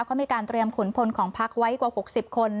ก็มีการเตรียมขุนพลของพักไว้กว่า๖๐คน